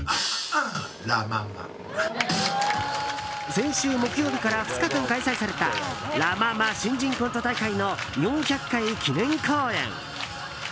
先週木曜日から２日間開催されたラ・ママ新人コント大会の４００回記念公演。